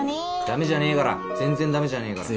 駄目じゃねえから全然駄目じゃねえから。